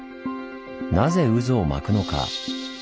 なぜ渦を巻くのか？